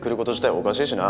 おかしいしな。